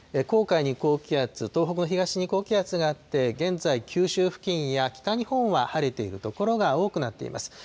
黄海に高気圧、東北の東に高気圧があって、現在、九州付近や北日本は晴れている所が多くなっています。